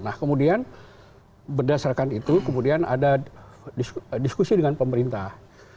nah kemudian berdasarkan itu kemudian ada diskusi dengan pemerintah